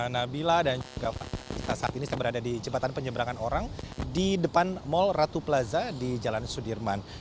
nabila dan juga fani saat ini saya berada di jembatan penyeberangan orang di depan mall ratu plaza di jalan sudirman